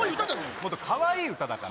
もっとかわいい歌だから。